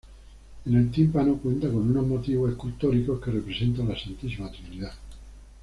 En el tímpano cuenta con unos motivos escultóricos que representan la Santísima Trinidad.